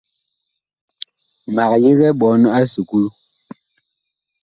Mag yigɛ ɓɔɔn a esukulu.